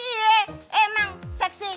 yee emang seksi